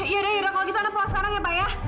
yaudah kalau gitu ana pulang sekarang ya pa ya